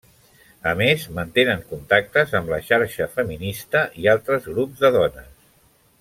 A més, mantenen contactes amb la Xarxa Feminista i altres grups de dones.